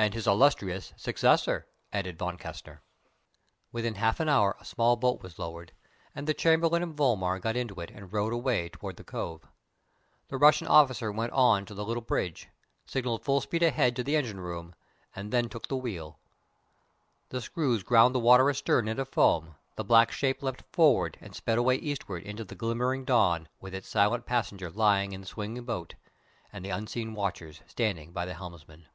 "And his illustrious successor!" added Von Kessner. Within half an hour a small boat was lowered; the Chamberlain and Vollmar got into it and rowed away toward the cove. The Russian officer went on to the little bridge, signalled "full speed ahead" to the engine room, and then took the wheel. The screws ground the water astern into foam, the black shape leapt forward and sped away eastward into the glimmering dawn with its silent passenger lying in the swinging boat, and the unseen watchers standing by the helmsman....